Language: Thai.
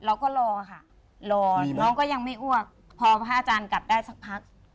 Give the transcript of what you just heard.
เราก็รอค่ะรอน้องก็ยังไม่อ้วกพอพระอาจารย์กลับได้สักพัก